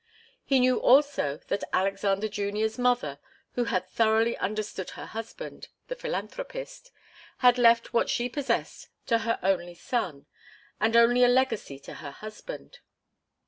He knew also that Alexander Junior's mother, who had thoroughly understood her husband, the philanthropist, had left what she possessed to her only son, and only a legacy to her husband.